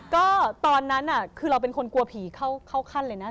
ก็ตอนนั้นคือเราเป็นคนกลัวผีเข้าขั้นเลยนะ